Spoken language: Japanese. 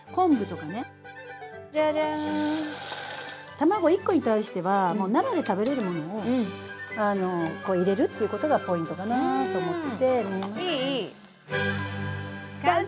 卵１個に対しては生で食べれるものを入れることがポイントかなと思って。